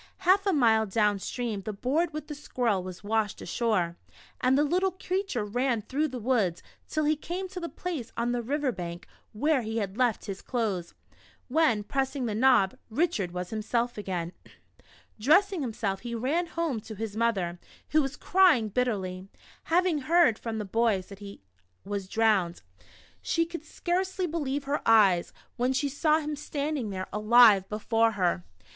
Half a mile down stream, the board with the squirrel was washed ashore, and the little creature ran through the woods, till he came to the place on the river bank where he had left his clothes, when, pressing the knob, "Richard was himself again." Dressing himself, he ran home to his mother, who was crying bitterly, having heard from the boys that he was drowned. She could scarcely io6 What the Squirrel Did for Richard. believe her eyes, when she saw him standing there aHve before her.